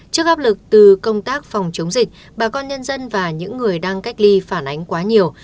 trước áp lực từ công tác phòng chống dịch bà con nhân dân và những người đang cách ly phản ánh quá nhiều